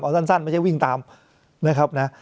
เอาสั้นไม่ใช่วิ่งตามนะครับนะ